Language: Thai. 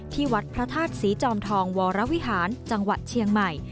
ที่วัดพระธาตุศรีจอมทองวรวิหารจังหวัดเชียงใหม่